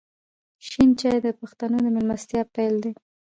شین چای د پښتنو د میلمستیا پیل دی.